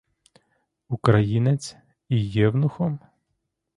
Українець — і євнухом?